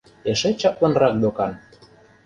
Эше чаплынрак докан.